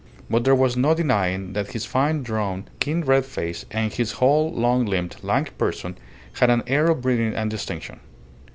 But there was no denying that his fine drawn, keen red face, and his whole, long limbed, lank person had an air of breeding and distinction.